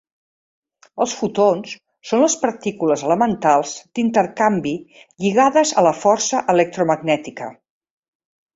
Els fotons són les partícules elementals d'intercanvi lligades a la força electromagnètica.